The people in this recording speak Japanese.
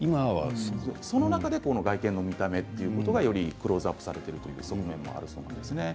その中で外見の見た目というのがクローズアップされているということなんですね。